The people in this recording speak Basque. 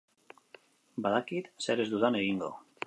Badakit zer ez dudan egingo.